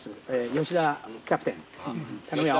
吉田キャプテン頼むよ。